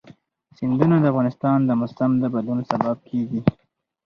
سیندونه د افغانستان د موسم د بدلون سبب کېږي.